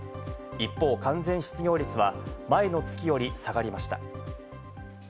一方、完全失業率は前の月より下がりました。